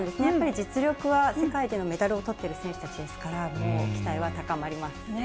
実力は世界でもメダルをとっている選手たちですから、期待は高まります。